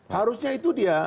harusnya itu dia